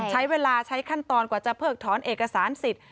ใช้เวลาใช้ขั้นตอนกว่าจะเพิกถอนเอกสารสิทธิ์